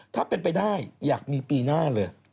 ถ้าเป็นไปได้อยากมีปีหน้าเลย